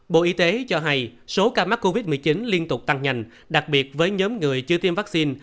bộ y tế cho hay số ca mắc covid một mươi chín liên tục tăng nhanh đặc biệt với nhóm người chưa tiêm vaccine